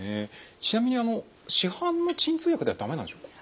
ちなみにあの市販の鎮痛薬では駄目なんでしょうか？